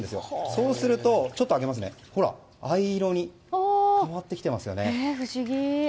そうすると藍色に変わってきていますよね。